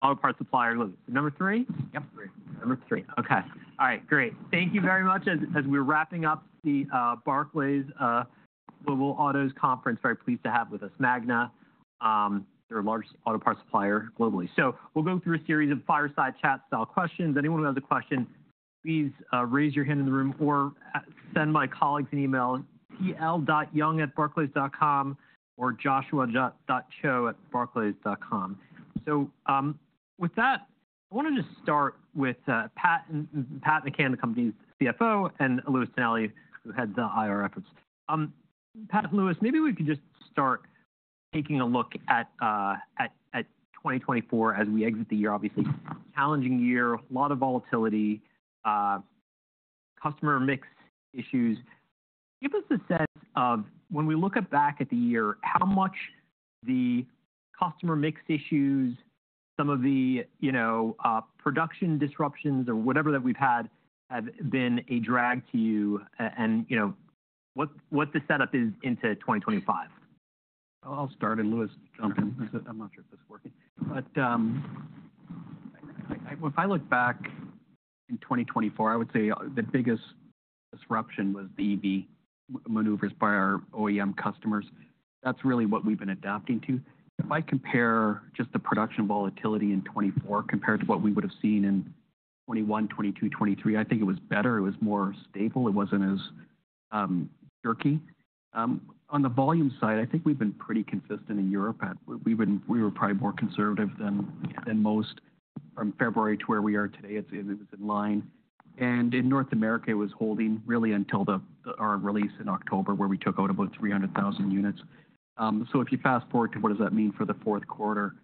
Auto parts supplier, number three? Yep. Number three. Okay. All right. Great. Thank you very much. As we're wrapping up the Barclays Global Autos Conference, very pleased to have with us Magna, their largest auto parts supplier globally. So we'll go through a series of fireside chat style questions. Anyone who has a question, please raise your hand in the room or send my colleagues an email at tl.young@barclays.com or joshua.cho@barclays.com. So with that, I want to just start with Pat McCann, the company's CFO, and Louis Tonelli, who heads the IR efforts. Pat, Louis, maybe we could just start taking a look at 2024 as we exit the year. Obviously, challenging year, a lot of volatility, customer mix issues. Give us a sense of, when we look back at the year, how much the customer mix issues, some of the production disruptions or whatever that we've had, have been a drag to you and what the setup is into 2025? I'll start and Louis jump in. I'm not sure if this is working. But if I look back in 2024, I would say the biggest disruption was the EV maneuvers by our OEM customers. That's really what we've been adapting to. If I compare just the production volatility in 2024 compared to what we would have seen in 2021, 2022, 2023, I think it was better. It was more stable. It wasn't as jerky. On the volume side, I think we've been pretty consistent in Europe. We were probably more conservative than most from February to where we are today. It was in line. And in North America, it was holding really until our release in October where we took out about 300,000 units. So if you fast forward to what does that mean for the fourth quarter,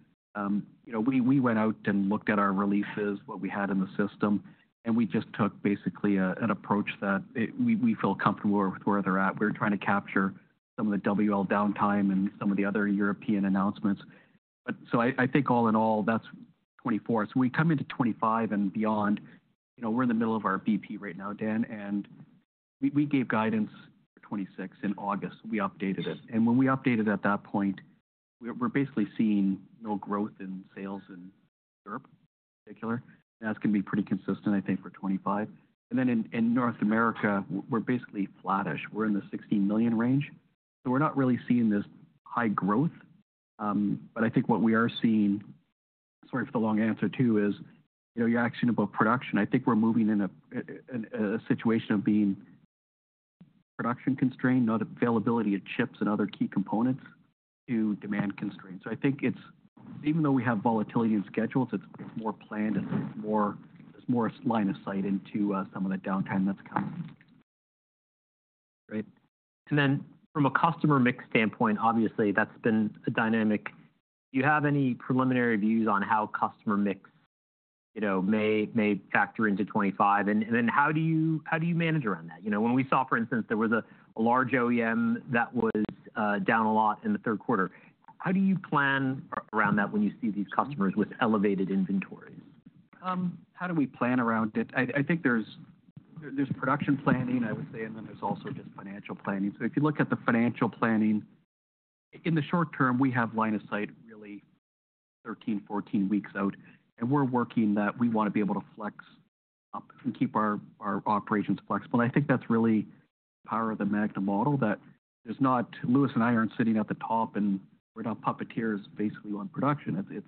we went out and looked at our releases, what we had in the system, and we just took basically an approach that we feel comfortable with where they're at. We're trying to capture some of the WL downtime and some of the other European announcements. I think all in all, that's 2024. When we come into 2025 and beyond, we're in the middle of our BP right now, Dan. We gave guidance for 2026 in August. We updated it. When we updated at that point, we're basically seeing no growth in sales in Europe in particular. That's going to be pretty consistent, I think, for 2025. Then in North America, we're basically flattish. We're in the 16 million range. We're not really seeing this high growth. But I think what we are seeing, sorry for the long answer too, is your action about production. I think we're moving in a situation of being production constrained, not availability of chips and other key components to demand constraints. So I think it's, even though we have volatility in schedules, it's more planned and there's more line of sight into some of the downtime that's coming. Great. And then from a customer mix standpoint, obviously, that's been a dynamic. Do you have any preliminary views on how customer mix may factor into 2025? And then how do you manage around that? When we saw, for instance, there was a large OEM that was down a lot in the third quarter, how do you plan around that when you see these customers with elevated inventories? How do we plan around it? I think there's production planning, I would say, and then there's also just financial planning. So if you look at the financial planning, in the short term, we have line of sight really 13, 14 weeks out. And we're working that we want to be able to flex up and keep our operations flexible. And I think that's really the power of the Magna model that there's not, Louis and I aren't sitting at the top and we're not puppeteers basically on production. It's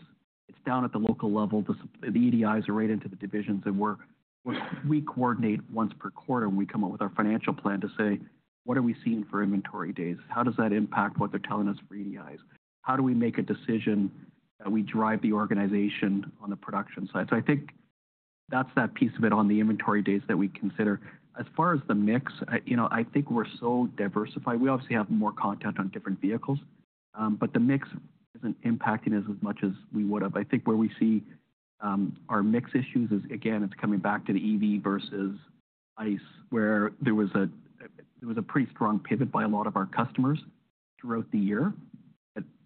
down at the local level. The EDIs are right into the divisions. And we coordinate once per quarter when we come up with our financial plan to say, "What are we seeing for inventory days? How does that impact what they're telling us for EDIs? How do we make a decision that we drive the organization on the production side?", so I think that's that piece of it on the inventory days that we consider. As far as the mix, I think we're so diversified. We obviously have more content on different vehicles, but the mix isn't impacting us as much as we would have. I think where we see our mix issues is, again, it's coming back to the EV versus ICE, where there was a pretty strong pivot by a lot of our customers throughout the year.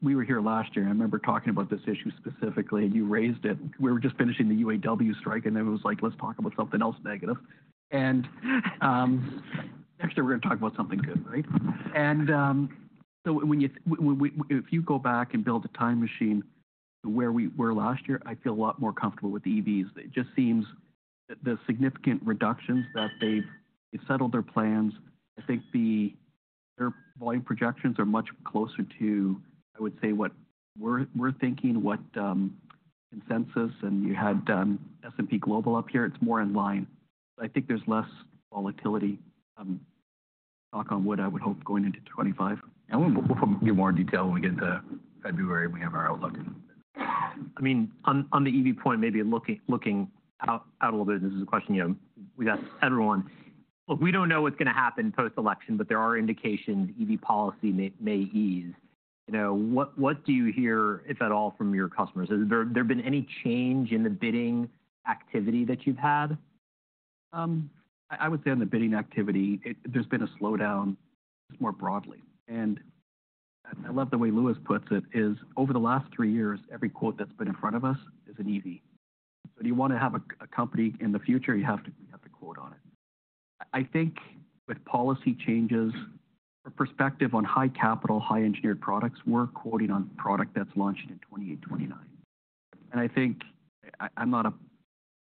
We were here last year. I remember talking about this issue specifically, and you raised it. We were just finishing the UAW strike, and then it was like, "Let's talk about something else negative," and next year, we're going to talk about something good, right? And so if you go back and build a time machine to where we were last year, I feel a lot more comfortable with the EVs. It just seems the significant reductions that they've settled their plans. I think their volume projections are much closer to, I would say, what we're thinking, what consensus. And you had S&P Global up here. It's more in line. So I think there's less volatility talk on what I would hope going into 2025. We'll get more detail when we get to February. We have our outlook. I mean, on the EV point, maybe looking out a little bit, this is a question we ask everyone. Look, we don't know what's going to happen post-election, but there are indications EV policy may ease. What do you hear, if at all, from your customers? Has there been any change in the bidding activity that you've had? I would say on the bidding activity, there's been a slowdown just more broadly. And I love the way Louis puts it, is over the last three years, every quote that's been in front of us is an EV. So if you want to have a company in the future, you have to quote on it. I think with policy changes, our perspective on high capital, high engineered products, we're quoting on product that's launched in 2028, 2029. And I think I'm not a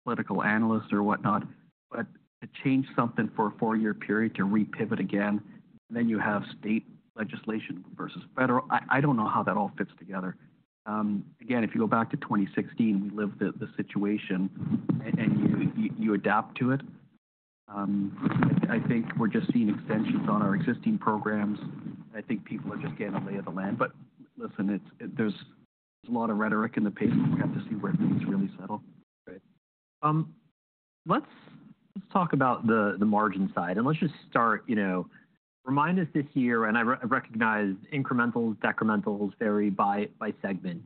political analyst or whatnot, but to change something for a four-year period to repivot again, and then you have state legislation versus federal, I don't know how that all fits together. Again, if you go back to 2016, we lived the situation and you adapt to it. I think we're just seeing extensions on our existing programs. I think people are just getting a lay of the land. But listen, there's a lot of rhetoric in the paper. We have to see where things really settle. Let's talk about the margin side. And let's just start, remind us this year, and I recognize incrementals, decrementals vary by segment.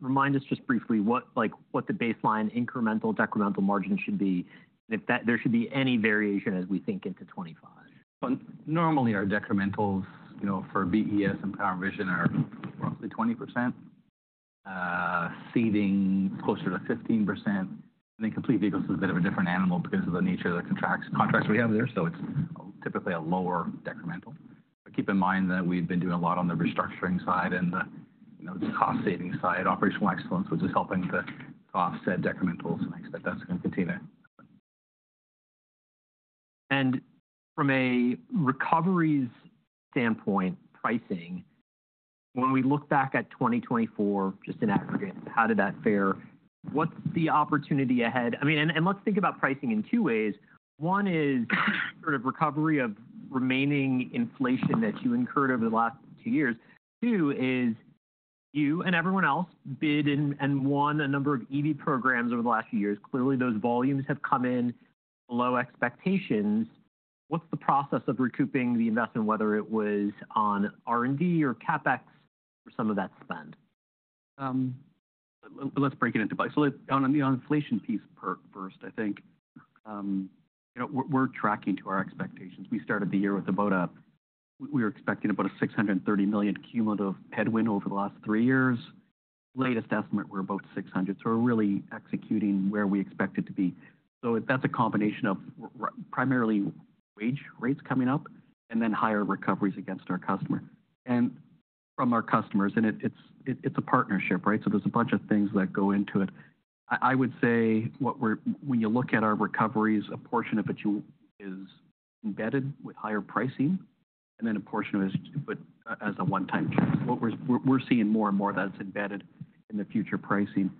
Remind us just briefly what the baseline incremental, decremental margin should be, and if there should be any variation as we think into 2025. Normally, our decrementals for BES and Power & Vision are roughly 20%, Seating closer to 15%. I think Complete Vehicles is a bit of a different animal because of the nature of the contracts we have there. So it's typically a lower decremental. But keep in mind that we've been doing a lot on the restructuring side and the cost-saving side, operational excellence, which is helping to offset decrementals. And I expect that's going to continue. From a recoveries standpoint, pricing, when we look back at 2024, just in aggregate, how did that fare? What's the opportunity ahead? I mean, and let's think about pricing in two ways. One is sort of recovery of remaining inflation that you incurred over the last two years. Two is you and everyone else bid and won a number of EV programs over the last few years. Clearly, those volumes have come in below expectations. What's the process of recouping the investment, whether it was on R&D or CapEx for some of that spend? Let's break it into bucks. So on the inflation piece first, I think we're tracking to our expectations. We started the year with about a—we were expecting about a $630 million cumulative headwind over the last three years. Latest estimate, we're about $600 million. So we're really executing where we expect it to be. So that's a combination of primarily wage rates coming up and then higher recoveries against our customer and from our customers, and it's a partnership, right? So there's a bunch of things that go into it. I would say when you look at our recoveries, a portion of it is embedded with higher pricing, and then a portion of it is put as a one-time check. We're seeing more and more of that's embedded in the future pricing.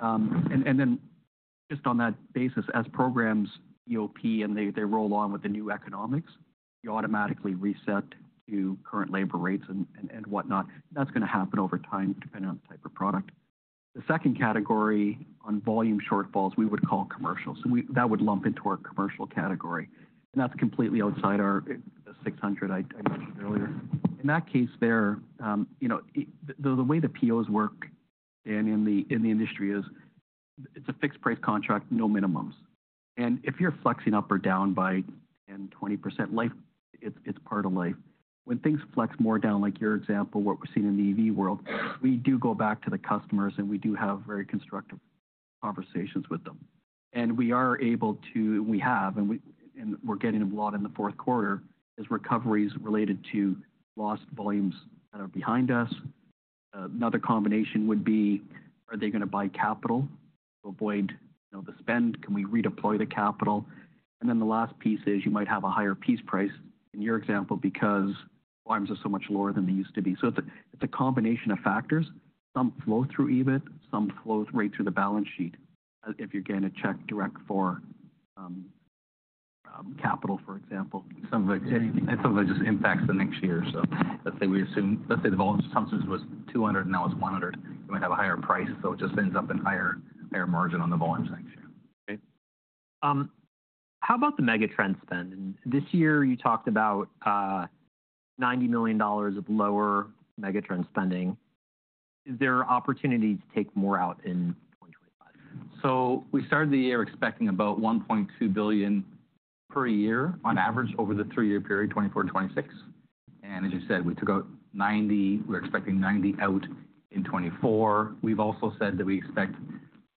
Then just on that basis, as programs EOP and they roll on with the new economics, you automatically reset to current labor rates and whatnot. That's going to happen over time depending on the type of product. The second category on volume shortfalls we would call commercial. So that would lump into our commercial category. And that's completely outside our 600 I mentioned earlier. In that case there, the way the POs work in the industry is it's a fixed price contract, no minimums. And if you're flexing up or down by 10%, 20%, it's part of life. When things flex more down, like your example, what we're seeing in the EV world, we do go back to the customers and we do have very constructive conversations with them. We have, and we're getting a lot in the fourth quarter, recoveries related to lost volumes that are behind us. Another combination would be, are they going to buy capital to avoid the spend? Can we redeploy the capital? And then the last piece is you might have a higher piece price in your example because volumes are so much lower than they used to be. So it's a combination of factors. Some flow through EBIT, some flow right through the balance sheet if you're getting a check directly for capital, for example. Some of it just impacts the next year. So let's say the volume sometimes was 200 and now it's 100. You might have a higher price. So it just ends up in higher margin on the volumes next year. How about the Megatrend spend? This year you talked about $90 million of lower Megatrend spending. Is there opportunity to take more out in 2025? So we started the year expecting about $1.2 billion per year on average over the three-year period, 2024 and 2026. And as you said, we took out $90 million. We're expecting $90 million out in 2024. We've also said that we expect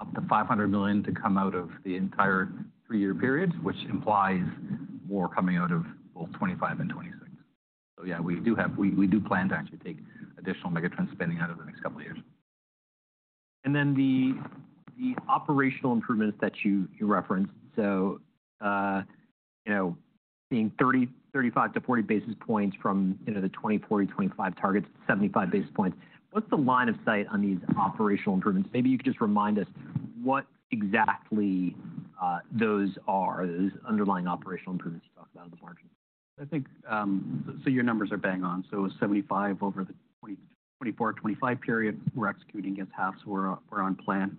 up to $500 million to come out of the entire three-year period, which implies more coming out of both 2025 and 2026. So yeah, we do plan to actually take additional Megatrend spending out of the next couple of years. And then the operational improvements that you referenced. So being 35 basis points-40 basis points from the 20 basis points-40 basis points, 25 basis points targets to 75 basis points, what's the line of sight on these operational improvements? Maybe you could just remind us what exactly those are, those underlying operational improvements you talked about in the margin. Your numbers are bang on. It was 75 basis points over the 2024, 2025 period. We're executing against half. We're on plan.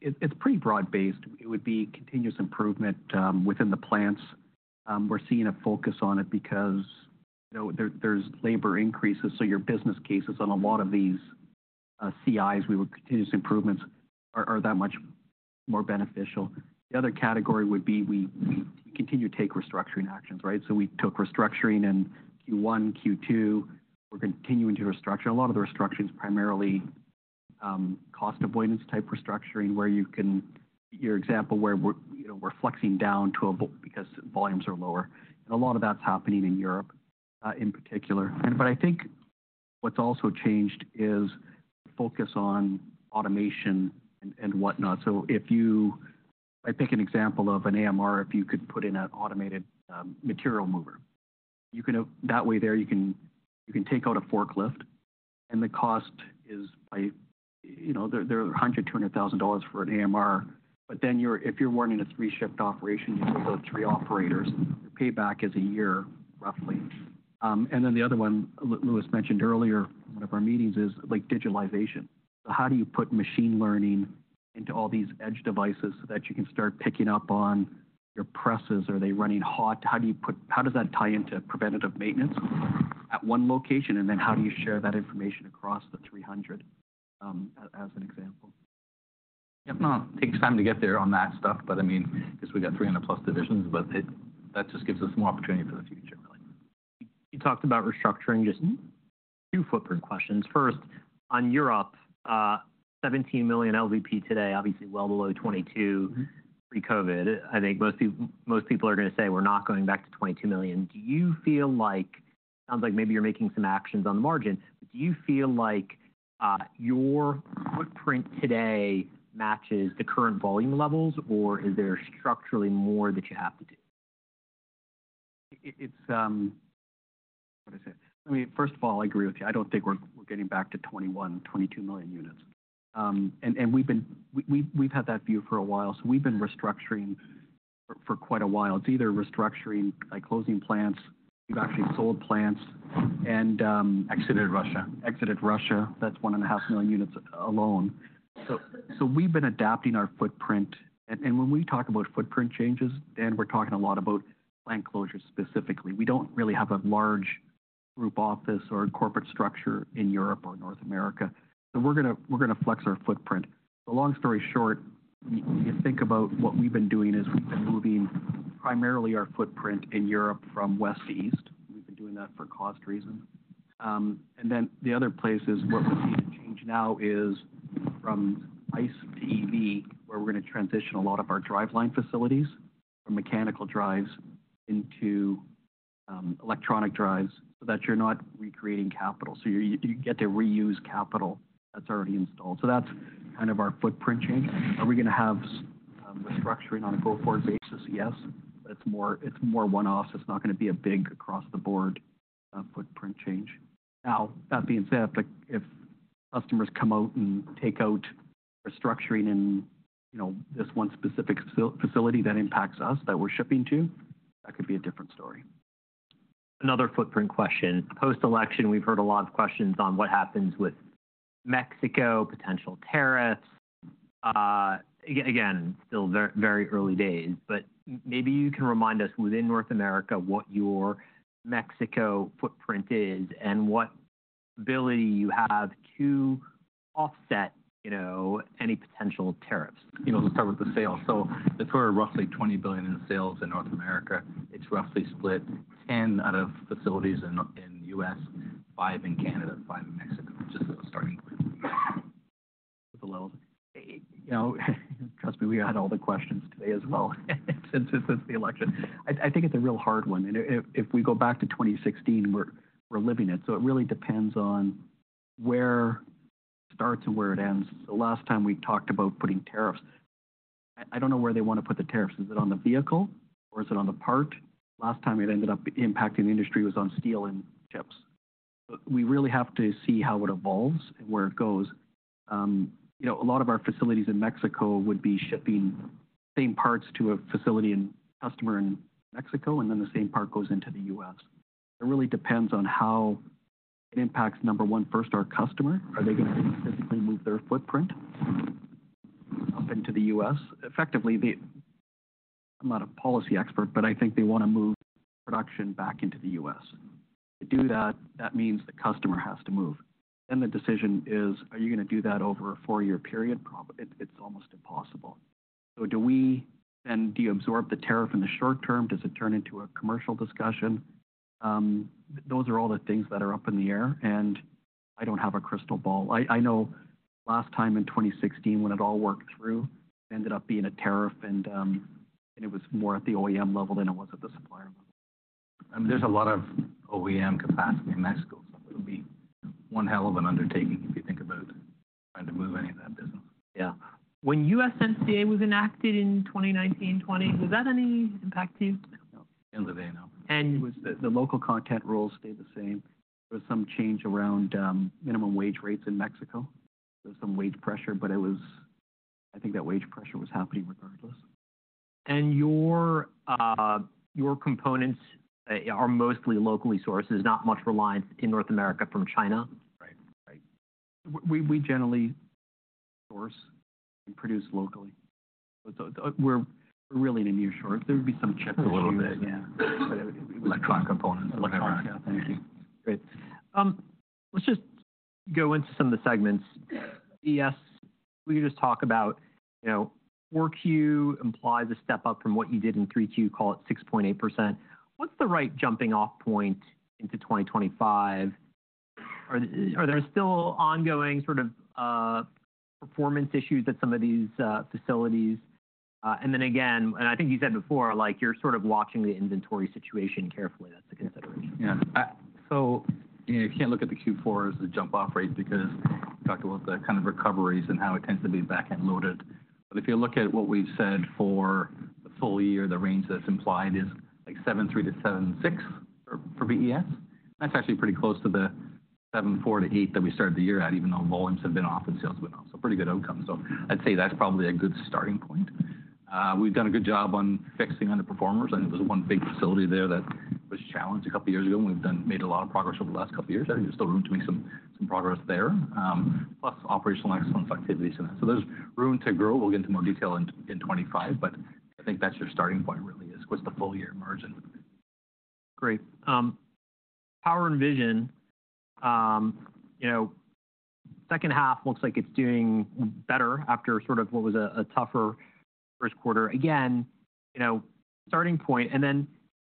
It's pretty broad-based. It would be continuous improvement within the plants. We're seeing a focus on it because there's labor increases. Your business cases on a lot of these CIs, we would continue to see improvements are that much more beneficial. The other category would be we continue to take restructuring actions, right? We took restructuring in Q1, Q2. We're continuing to restructure. A lot of the restructuring is primarily cost avoidance type restructuring where you can, your example where we're flexing down to a, because volumes are lower. A lot of that's happening in Europe in particular. But I think what's also changed is the focus on automation and whatnot. So, I pick an example of an AMR, if you could put in an automated material mover. That way, there you can take out a forklift, and the cost is $100,000-$200,000 for an AMR. But then if you are running a three-shift operation, you can go to three operators. The payback is a year, roughly. And then the other one, Louis mentioned earlier in one of our meetings, is digitalization. So how do you put machine learning into all these edge devices so that you can start picking up on your presses? Are they running hot? How does that tie into preventative maintenance at one location? And then how do you share that information across the 300, as an example? It takes time to get there on that stuff, but I mean, because we got 300+ divisions, but that just gives us more opportunity for the future, really. You talked about restructuring, just two footprint questions. First, on Europe, 17 million LVP today, obviously well below 22 pre-COVID. I think most people are going to say, "We're not going back to 22 million." Do you feel like, sounds like maybe you're making some actions on the margin. Do you feel like your footprint today matches the current volume levels, or is there structurally more that you have to do? What is it? I mean, first of all, I agree with you. I don't think we're getting back to 21 million-22 million units. And we've had that view for a while. So we've been restructuring for quite a while. It's either restructuring by closing plants. We've actually sold plants. Exited Russia. Exited Russia. That's 1.5 million units alone. So we've been adapting our footprint. And when we talk about footprint changes, then we're talking a lot about plant closures specifically. We don't really have a large group office or corporate structure in Europe or North America. So we're going to flex our footprint. So long story short, you think about what we've been doing is we've been moving primarily our footprint in Europe from west to east. We've been doing that for cost reasons. And then the other place is what we're seeing change now is from ICE to EV, where we're going to transition a lot of our driveline facilities from mechanical drives into electronic drives so that you're not recreating capital. So you get to reuse capital that's already installed. So that's kind of our footprint change. Are we going to have restructuring on a go-forward basis? Yes. But it's more one-off. It's not going to be a big across-the-board footprint change. Now, that being said, if customers come out and take out restructuring in this one specific facility that impacts us, that we're shipping to, that could be a different story. Another footprint question. Post-election, we've heard a lot of questions on what happens with Mexico, potential tariffs. Again, still very early days. But maybe you can remind us within North America what your Mexico footprint is and what ability you have to offset any potential tariffs. Let's start with the sales. So if we're roughly $20 billion in sales in North America, it's roughly split 10 out of facilities in the U.S., five in Canada, five in Mexico. Just as a starting point. Trust me, we had all the questions today as well since the election. I think it's a real hard one, and if we go back to 2016, we're living it. So it really depends on where it starts and where it ends. The last time we talked about putting tariffs, I don't know where they want to put the tariffs. Is it on the vehicle or is it on the part? Last time it ended up impacting the industry was on steel and chips. But we really have to see how it evolves and where it goes. A lot of our facilities in Mexico would be shipping the same parts to a facility and customer in Mexico, and then the same part goes into the US. It really depends on how it impacts, number one, first, our customer. Are they going to physically move their footprint up into the U.S.? Effectively, I'm not a policy expert, but I think they want to move production back into the U.S. To do that, that means the customer has to move. Then the decision is, are you going to do that over a four-year period? It's almost impossible. So do we then deabsorb the tariff in the short term? Does it turn into a commercial discussion? Those are all the things that are up in the air, and I don't have a crystal ball. I know last time in 2016, when it all worked through, it ended up being a tariff, and it was more at the OEM level than it was at the supplier level. There's a lot of OEM capacity in Mexico. So it would be one hell of an undertaking if you think about trying to move any of that business. Yeah. When USMCA was enacted in 2019, 2020, was that any impact to you? No. End of the day, no. And. The local content rules stayed the same. There was some change around minimum wage rates in Mexico. There was some wage pressure, but I think that wage pressure was happening regardless. Your components are mostly locally sourced. There's not much reliance in North America from China. Right. Right. We generally source and produce locally. We're really in nearshoring. There would be some chips a little bit. Electronic components. Electronics. Yeah. Thank you. Great. Let's just go into some of the segments. BES, we just talked about 4Q implies a step up from what you did in 3Q, call it 6.8%. What's the right jumping-off point into 2025? Are there still ongoing sort of performance issues at some of these facilities? And then again, and I think you said before, you're sort of watching the inventory situation carefully. That's a consideration. Yeah, so you can't look at the Q4 as a jump-off rate because we talked about the kind of recoveries and how it tends to be back-loaded, but if you look at what we've said for the full year, the range that's implied is like 7.3-7.6 for BES. That's actually pretty close to the 7.4-8 that we started the year at, even though volumes have been off and sales have been off, so pretty good outcome, so I'd say that's probably a good starting point. We've done a good job on fixing underperformers. I think there's one big facility there that was challenged a couple of years ago, and we've made a lot of progress over the last couple of years. I think there's still room to make some progress there, plus operational excellence activities in that, so there's room to grow. We'll get into more detail in 2025, but I think that's your starting point really is what's the full-year margin. Great. Power and Vision, second half looks like it's doing better after sort of what was a tougher first quarter. Again, starting point. And then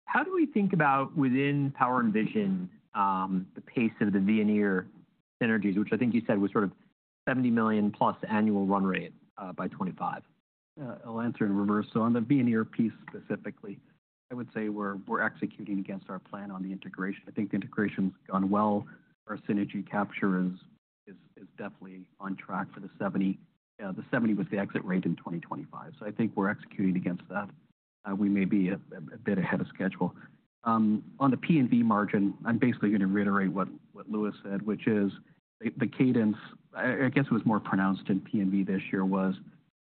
how do we think about within Power and Vision, the pace of the Veoneer synergies, which I think you said was sort of $70 million plus annual run rate by 2025? I'll answer in reverse. So on the Veoneer piece specifically, I would say we're executing against our plan on the integration. I think the integration's gone well. Our synergy capture is definitely on track for the 70. The 70 was the exit rate in 2025. So I think we're executing against that. We may be a bit ahead of schedule. On the P&V margin, I'm basically going to reiterate what Louis said, which is the cadence. I guess it was more pronounced in P&V this year was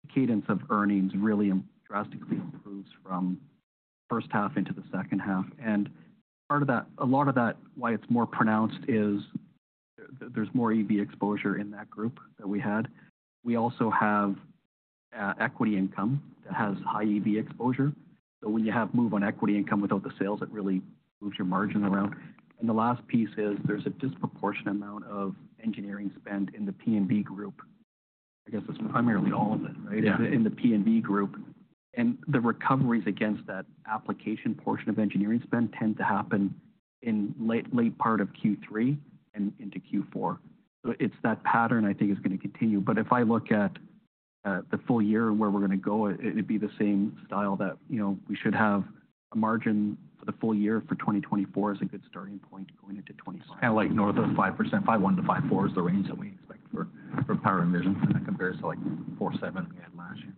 the cadence of earnings really drastically improves from the first half into the second half. And a lot of that why it's more pronounced is there's more EV exposure in that group that we had. We also have equity income that has high EV exposure. So when you have move on equity income without the sales, it really moves your margin around. And the last piece is there's a disproportionate amount of engineering spend in the P&V group. I guess that's primarily all of it, right? In the P&V group. And the recoveries against that application portion of engineering spend tend to happen in late part of Q3 and into Q4. So it's that pattern I think is going to continue. But if I look at the full year and where we're going to go, it'd be the same style that we should have a margin for the full year for 2024 as a good starting point going into 2025. Kind of like north of 5%, 5.1%-5.4% is the range that we expect for Power and Vision, and that compares to like 4.7% we had last year.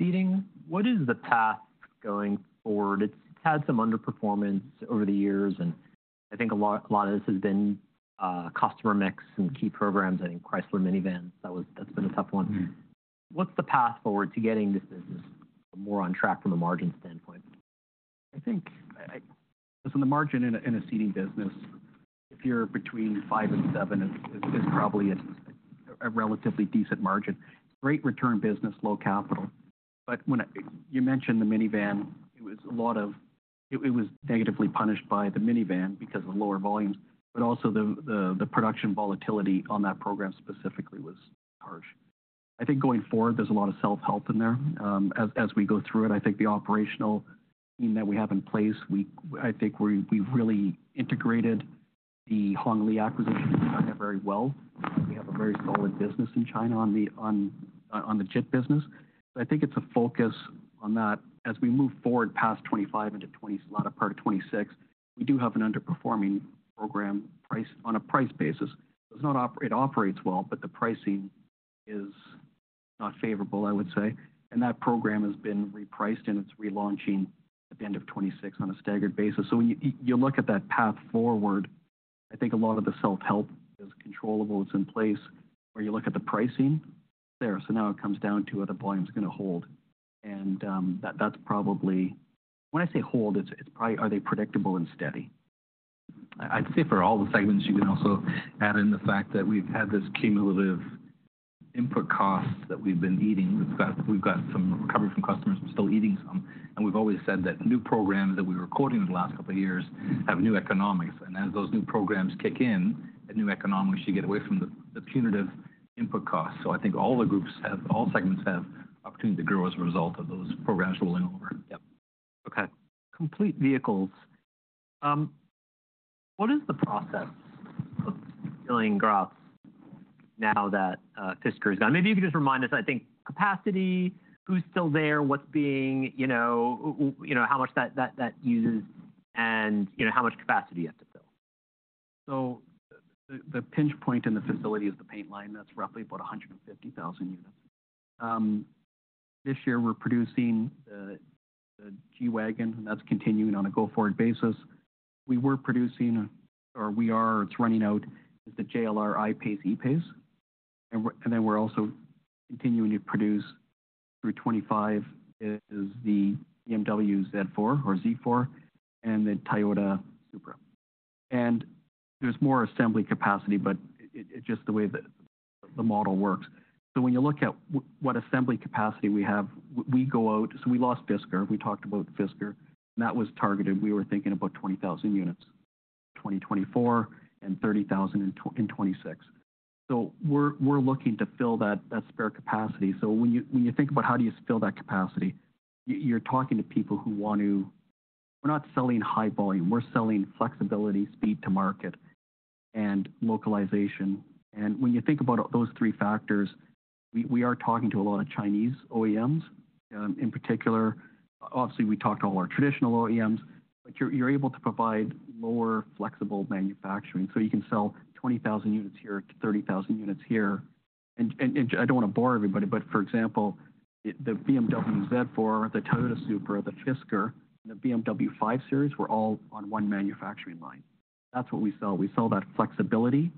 Seating, what is the path going forward? It's had some underperformance over the years, and I think a lot of this has been customer mix and key programs. I think Chrysler Minivan, that's been a tough one. What's the path forward to getting this business more on track from a margin standpoint? I think so the margin in a seating business, if you're between 5% and 7%, is probably a relatively decent margin. Great return business, low capital. But when you mentioned the minivan, a lot of it was negatively punished by the minivan because of lower volumes, but also the production volatility on that program specifically was harsh. I think going forward, there's a lot of self-help in there. As we go through it, I think the operational team that we have in place. I think we really integrated the Hongli acquisition in China very well. We have a very solid business in China on the seat business. So I think it's a focus on that. As we move forward past 2025 into 2026, the latter part of 2026, we do have an underperforming program on a price basis. It operates well, but the pricing is not favorable, I would say. And that program has been repriced, and it's relaunching at the end of 2026 on a staggered basis. So when you look at that path forward, I think a lot of the self-help is controllable. It's in place. When you look at the pricing, it's there. So now it comes down to whether volume is going to hold. And that's probably when I say hold, it's probably are they predictable and steady? I'd say for all the segments, you can also add in the fact that we've had this cumulative input cost that we've been eating. We've got some recovery from customers, still eating some. And we've always said that new programs that we were quoting in the last couple of years have new economics. And as those new programs kick in, the new economics should get away from the punitive input costs. So I think all the groups have, all segments have opportunity to grow as a result of those programs rolling over. Yep. Okay. Complete Vehicles. What is the process of filling growth now that Fisker is gone? Maybe you can just remind us, I think, capacity, who's still there, what's being, how much that uses, and how much capacity you have to fill. The pinch point in the facility is the paint line. That's roughly about 150,000 units. This year, we're producing the G-Wagon, and that's continuing on a go-forward basis. We were producing, or we are, it's running out, is the JLR I-PACE, E-PACE. And then we're also continuing to produce through 2025 is the BMW Z4 or Z4 and the Toyota Supra. And there's more assembly capacity, but it's just the way the model works. So when you look at what assembly capacity we have, we go out. So we lost Fisker. We talked about Fisker. And that was targeted. We were thinking about 20,000 units in 2024 and 30,000 in 2026. So we're looking to fill that spare capacity. So when you think about how do you fill that capacity, you're talking to people who want to we're not selling high volume. We're selling flexibility, speed to market, and localization. When you think about those three factors, we are talking to a lot of Chinese OEMs. In particular, obviously, we talked to all our traditional OEMs, but you're able to provide lower flexible manufacturing. So you can sell 20,000-30,000 units here. I don't want to bore everybody, but for example, the BMW Z4, the Toyota Supra, the Fisker, and the BMW 5 Series were all on one manufacturing line. That's what we sell. We sell that flexibility.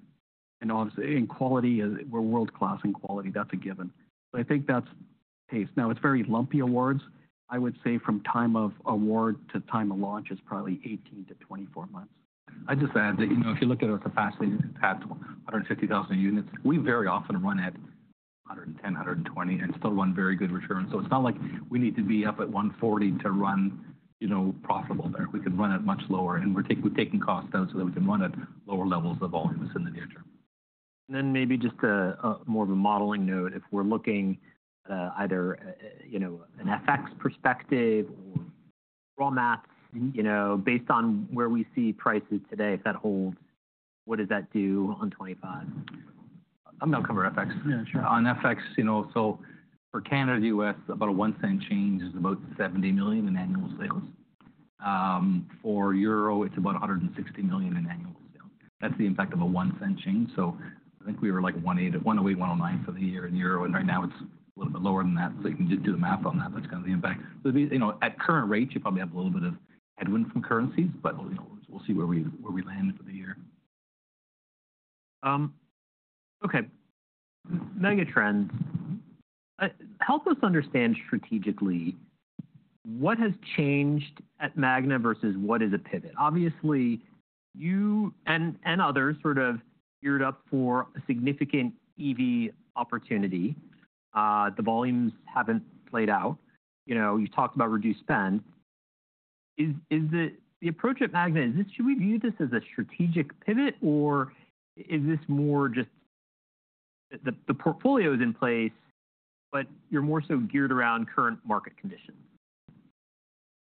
Obviously, in quality, we're world-class in quality. That's a given. So I think that's pace. Now, it's very lumpy awards. I would say from time of award to time of launch is probably 18 months-24 months. I'd just add that if you look at our capacity, we've had 150,000 units. We very often run at 110, 120 and still run very good returns. So it's not like we need to be up at 140 to run profitable there. We can run at much lower, and we're taking costs out so that we can run at lower levels of volumes in the near term. Then maybe just more of a modeling note, if we're looking at either an FX perspective or raw math based on where we see prices today, if that holds, what does that do on 2025? I'm going to cover FX. Yeah, sure. On FX, so for Canada to U.S., about a one-cent change is about $70 million in annual sales. For Euro, it's about $160 million in annual sales. That's the impact of a one-cent change. So I think we were like 1.8, 1.08, 1.09 for the year in Euro. And right now, it's a little bit lower than that. So you can just do the math on that. That's kind of the impact. So at current rates, you probably have a little bit of headwind from currencies, but we'll see where we land for the year. Okay. Megatrend, help us understand strategically what has changed at Magna versus what is a pivot. Obviously, you and others sort of geared up for a significant EV opportunity. The volumes haven't played out. You've talked about reduced spend. The approach at Magna, should we view this as a strategic pivot, or is this more just the portfolio is in place, but you're more so geared around current market conditions?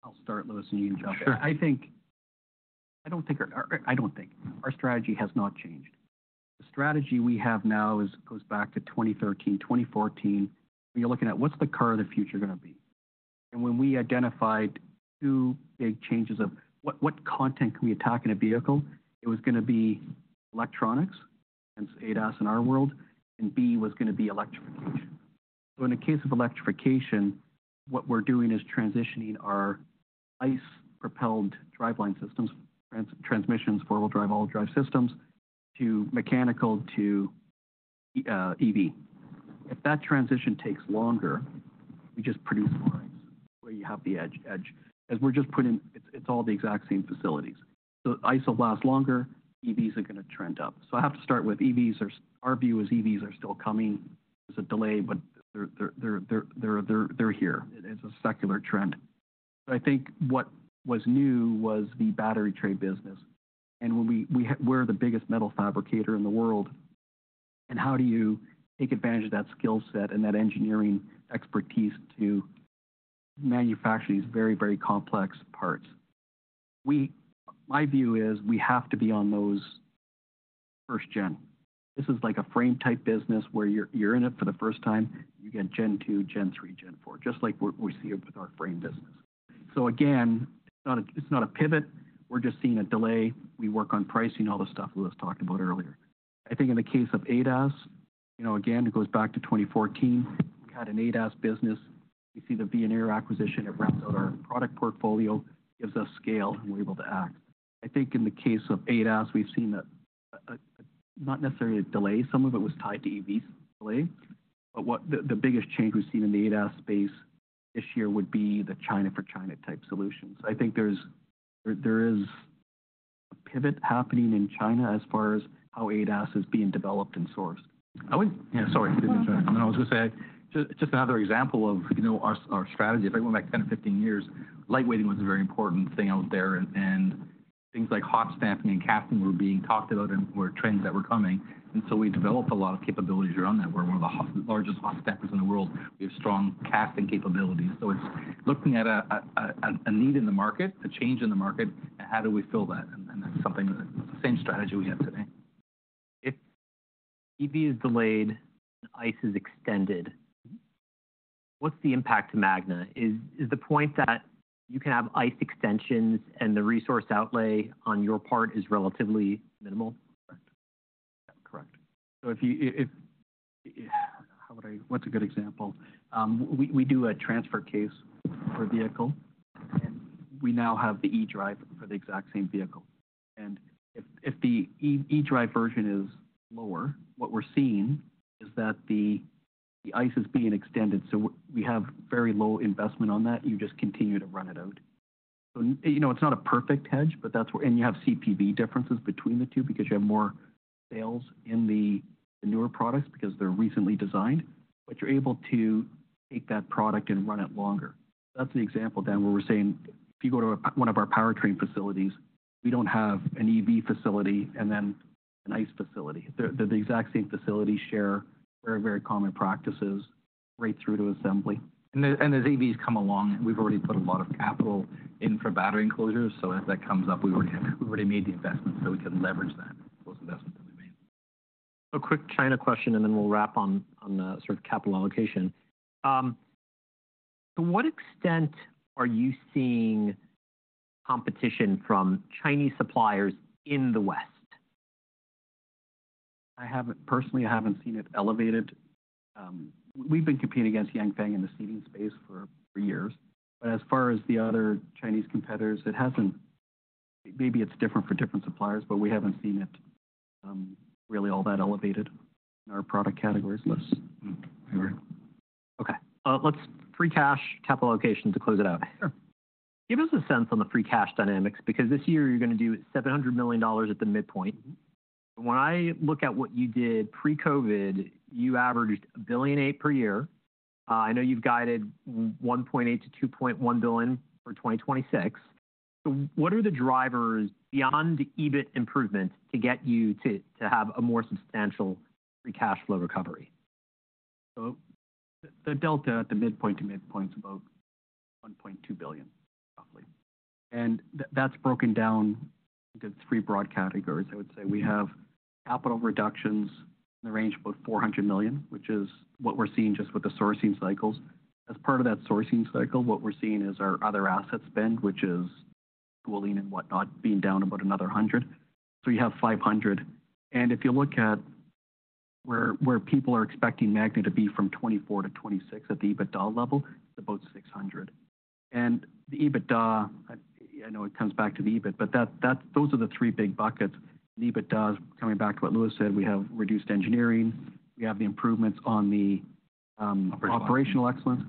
I'll start, Louis, and you jump in. Sure. I don't think our strategy has not changed. The strategy we have now goes back to 2013, 2014. You're looking at what's the car of the future going to be? And when we identified two big changes of what content can we attack in a vehicle, it was going to be electronics, hence ADAS in our world, and B was going to be electrification. So in the case of electrification, what we're doing is transitioning our ICE-propelled driveline systems, transmissions, four-wheel drive, all-wheel drive systems to mechanical to EV. If that transition takes longer, we just produce more ICE where you have the edge. As we're just putting in, it's all the exact same facilities. So ICE will last longer. EVs are going to trend up. So I have to start with EVs. Our view is EVs are still coming. There's a delay, but they're here. It's a secular trend. So I think what was new was the battery tray business. And we're the biggest metal fabricator in the world. And how do you take advantage of that skill set and that engineering expertise to manufacture these very, very complex parts? My view is we have to be on those first-gen. This is like a frame-type business where you're in it for the first time. You get gen two, gen three, gen four, just like we see it with our frame business. So again, it's not a pivot. We're just seeing a delay. We work on pricing, all the stuff Louis talked about earlier. I think in the case of ADAS, again, it goes back to 2014. We had an ADAS business. We see the Veoneer acquisition. It rounds out our product portfolio, gives us scale, and we're able to act. I think in the case of ADAS, we've seen not necessarily a delay. Some of it was tied to EVs delay. But the biggest change we've seen in the ADAS space this year would be the China for China type solutions. I think there is a pivot happening in China as far as how ADAS is being developed and sourced. Yeah, sorry. I was going to say just another example of our strategy. If I go back 10 or 15 years, lightweighting was a very important thing out there. And things like hot stamping and casting were being talked about and were trends that were coming. And so we developed a lot of capabilities around that. We're one of the largest hot stampers in the world. We have strong casting capabilities. So it's looking at a need in the market, a change in the market, and how do we fill that? And that's something, the same strategy we have today. If EV is delayed and ICE is extended, what's the impact to Magna? Is the point that you can have ICE extensions and the resource outlay on your part is relatively minimal? Correct. Yeah, correct, so how would I—what's a good example? We do a transfer case for a vehicle, and we now have the eDrive for the exact same vehicle. And if the eDrive version is lower, what we're seeing is that the ICE is being extended. So we have very low investment on that. You just continue to run it out. So it's not a perfect hedge, and you have CPV differences between the two because you have more sales in the newer products because they're recently designed, but you're able to take that product and run it longer. That's an example then where we're saying if you go to one of our powertrain facilities, we don't have an EV facility and then an ICE facility. They're the exact same facilities here. We have very common practices right through to assembly. And as EVs come along, we've already put a lot of capital in for battery enclosures. So as that comes up, we've already made the investments so we can leverage that, those investments that we made. A quick China question, and then we'll wrap on sort of capital allocation. To what extent are you seeing competition from Chinese suppliers in the West? Personally, I haven't seen it elevated. We've been competing against Yanfeng in the seating space for years. But as far as the other Chinese competitors, it hasn't. Maybe it's different for different suppliers, but we haven't seen it really all that elevated in our product categories. Okay. Let's free cash capital allocation to close it out. Sure. Give us a sense on the free cash dynamics because this year you're going to do $700 million at the midpoint. When I look at what you did pre-COVID, you averaged a billion eight per year. I know you've guided $1.8 billion-$2.1 billion for 2026. So what are the drivers beyond the EBIT improvement to get you to have a more substantial free cash flow recovery? So the delta at the midpoint to midpoint is about $1.2 billion, roughly. And that's broken down into three broad categories. I would say we have capital reductions in the range of about $400 million, which is what we're seeing just with the sourcing cycles. As part of that sourcing cycle, what we're seeing is our other asset spend, which is tooling and whatnot, being down about another $100 million. So you have $500 million. And if you look at where people are expecting Magna to be from 2024 to 2026 at the EBITDA level, it's about $600 million. And the EBITDA, I know it comes back to the EBIT, but those are the three big buckets. And EBITDA is coming back to what Louis said. We have reduced engineering. We have the improvements on the operational excellence.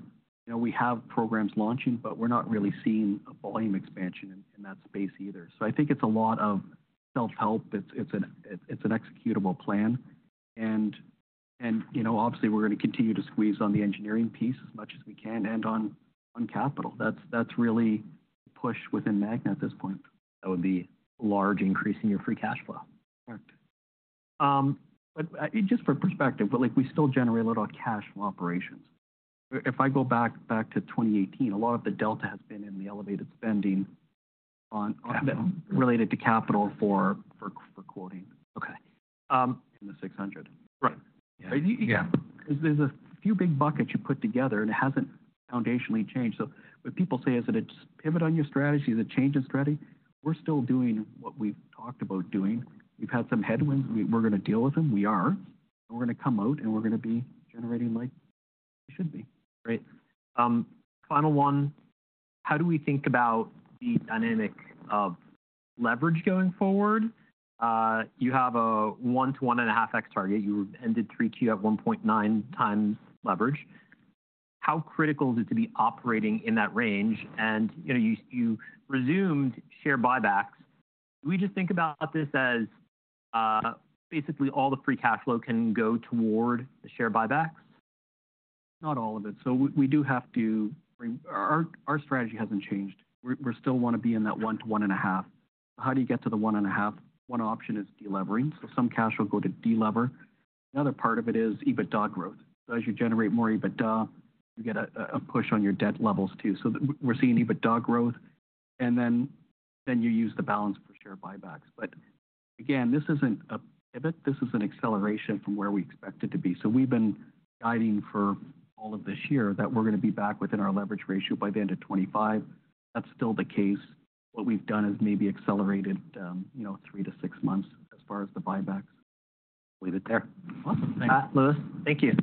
We have programs launching, but we're not really seeing a volume expansion in that space either. So I think it's a lot of self-help. It's an executable plan. And obviously, we're going to continue to squeeze on the engineering piece as much as we can and on capital. That's really the push within Magna at this point. That would be a large increase in your free cash flow. Correct. But just for perspective, we still generate a lot of cash from operations. If I go back to 2018, a lot of the delta has been in the elevated spending related to capital for quoting. Okay. In the 600. Right. Yeah. There's a few big buckets you put together, and it hasn't foundationally changed. So what people say is that it's a pivot on your strategy, it's a change in strategy. We're still doing what we've talked about doing. We've had some headwinds. We're going to deal with them. We are. We're going to come out, and we're going to be generating like we should be. Great. Final one. How do we think about the dynamic of leverage going forward? You have a 1x-1.5x target. You ended 3Q at 1.9x leverage. How critical is it to be operating in that range? And you resumed share buybacks. Do we just think about this as basically all the free cash flow can go toward the share buybacks? Not all of it. So we do have to, our strategy hasn't changed. We still want to be in that 1-1.5. How do you get to the 1.5? One option is delevering. So some cash will go to delever. The other part of it is EBITDA growth. So as you generate more EBITDA, you get a push on your debt levels too. So we're seeing EBITDA growth. And then you use the balance for share buybacks. But again, this isn't a pivot. This is an acceleration from where we expected to be. So we've been guiding for all of this year that we're going to be back within our leverage ratio by the end of 2025. That's still the case. What we've done is maybe accelerated three to six months as far as the buybacks. Leave it there. Awesome. Thanks, Louis. Thank you.